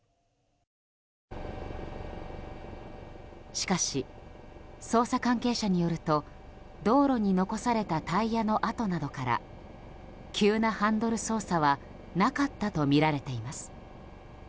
しかし、捜査関係者によると道路に残されたタイヤの跡などから急なハンドル操作はなかったとみられています。